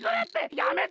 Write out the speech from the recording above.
やめて！